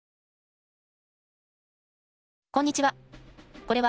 こんにちは。